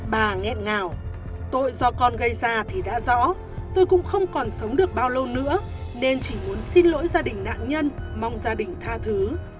bà nghẹn ngào tội do con gây ra thì đã rõ tôi cũng không còn sống được bao lâu nữa nên chỉ muốn xin lỗi gia đình nạn nhân mong gia đình tha thứ